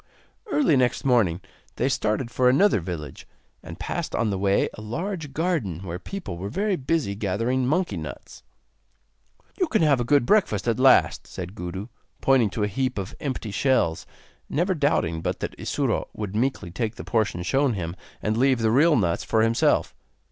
Early next morning they started for another village, and passed on the way a large garden where people were very busy gathering monkey nuts. 'You can have a good breakfast at last,' said Gudu, pointing to a heap of empty shells; never doubting but that Isuro would meekly take the portion shown him, and leave the real nuts for himself.